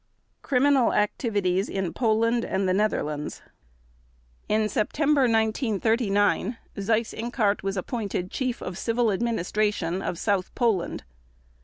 Criminal Activities in Poland and the Netherlands In September 1939 Seyss Inquart was appointed Chief of Civil Administration of South Poland.